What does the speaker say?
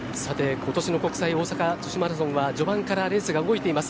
今年の大阪国際女子マラソンは序盤からレースが動いています。